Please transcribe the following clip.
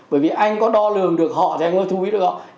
bởi vì anh có đo lường được họ thì anh có thu phí được họ